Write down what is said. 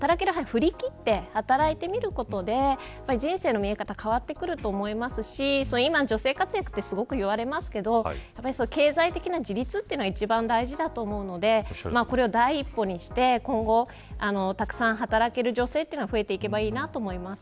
振り切って働いてみることで人生の見え方が変わってくると思いますし今、女性活躍ってすごい言われますけど経済的な自立っていうのが一番大事だと思うのでこれを第一歩にして今後、たくさん働ける女性が増えていけばいいなと思います。